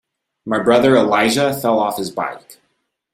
My brother Elijah fell off his bike.